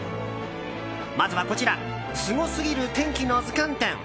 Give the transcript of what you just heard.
まずは、こちら「すごすぎる天気の図鑑展」。